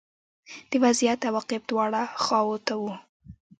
د وضعیت عواقب دواړو خواوو ته وو